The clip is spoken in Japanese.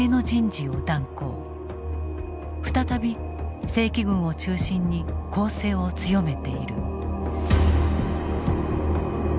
再び正規軍を中心に攻勢を強めている。